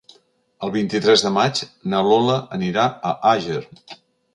El vint-i-tres de maig na Lola anirà a Àger.